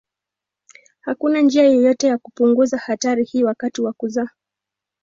Hakuna njia yoyote ya kupunguza hatari hii wakati wa kuzaa.